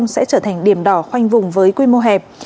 sẽ trở thành điểm đỏ khoanh vùng với quy mô hẹp